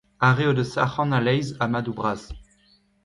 Ar re o deus arc'hant a-leizh ha madoù bras.